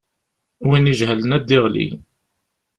Win ijehlen ad d-yeɣli.